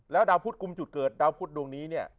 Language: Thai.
แล้วดาวพุทธกลุ่มจุดเกิดดาวพุทธดวงนี้เนี่ย